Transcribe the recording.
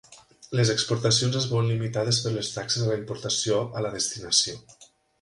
Les exportacions es veuen limitades per les taxes a la importació a la destinació.